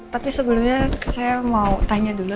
tapi sebelumnya saya mau tanya dulu